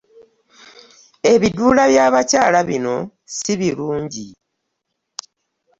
Ebiduula by'abakyaal bino sibirunji .